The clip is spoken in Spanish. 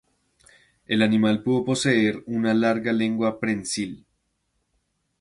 El animal pudo poseer una larga lengua prensil.